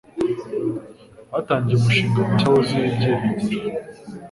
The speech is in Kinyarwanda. Batangiye umushinga mushya wuzuye ibyiringiro.